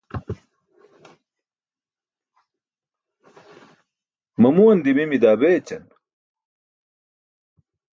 Mamuwan dimimi daa beećan.